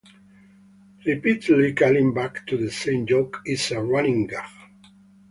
Repeatedly calling back to the same joke is a running gag.